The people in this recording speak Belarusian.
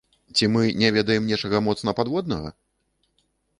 Ці мы не ведаем нечага моцна падводнага?